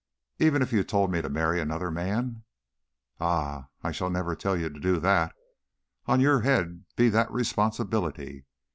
"Even if you told me to marry another man?" "Ah! I never shall tell you to do that. On your head be that responsibility."